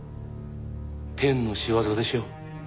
天の仕業でしょう。